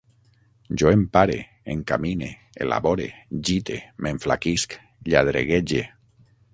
Jo empare, encamine, elabore, gite, m'enflaquisc, lladreguege